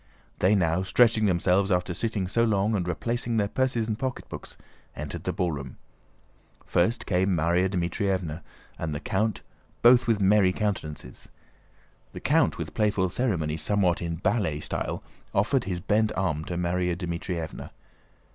They now, stretching themselves after sitting so long, and replacing their purses and pocketbooks, entered the ballroom. First came Márya Dmítrievna and the count, both with merry countenances. The count, with playful ceremony somewhat in ballet style, offered his bent arm to Márya Dmítrievna.